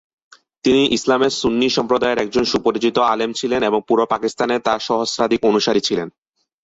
তিনি ইসলামের সুন্নি সম্প্রদায়ের একজন সুপরিচিত আলেম ছিলেন এবং পুরো পাকিস্তানে তার সহস্রাধিক অনুসারী ছিলেন।